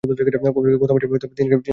ওকে গত মাসে তিন খানা চিঠি পাঠিয়েছি!